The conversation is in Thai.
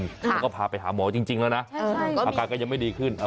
แล้วก็พาไปหาหมอจริงจริงแล้วนะใช่ใช่อากาศก็ยังไม่ดีขึ้นอ่ะ